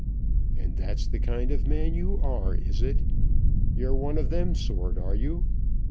"And that's the kind of man you are; is it? You're one of them sort, are you?"